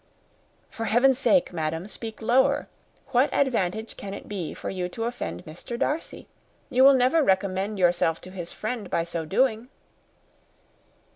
"For heaven's sake, madam, speak lower. What advantage can it be to you to offend Mr. Darcy? You will never recommend yourself to his friend by so doing."